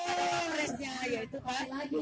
seharusnya pak jokowi mundur